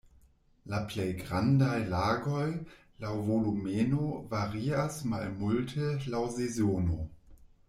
La plej grandaj lagoj laŭ volumeno varias malmulte laŭ sezono.